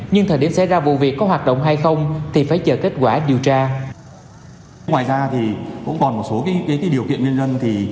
nhưng thời điểm xảy ra vụ việc có hoạt động hay không thì phải chờ kết quả điều tra